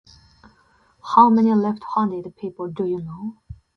How many left-handed people do you know?